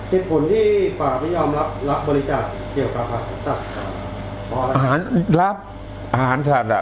เหตุผลที่ปากไม่ยอมรับรับบริกาศเกี่ยวกับพระอาหารรับอาหารศาลอ่ะ